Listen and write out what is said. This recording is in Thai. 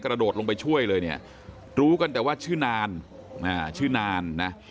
กระโดดลงไปช่วยเลยเนี่ยรู้กันแต่ว่าชื่อนานชื่อนานนะ